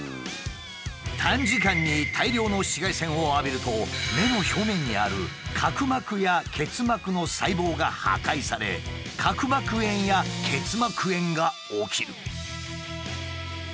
短時間に大量の紫外線を浴びると目の表面にある角膜や結膜の細胞が破壊され角膜炎や結膜炎が起きる。